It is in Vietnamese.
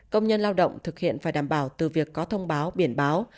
công nhân lao động thực hiện phải đảm bảo từ việc có thông báo biển báo